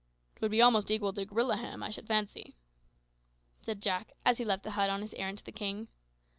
"It would be almost equal to gorilla ham, I should fancy," said Jack, as he left the hut on his errand to the king.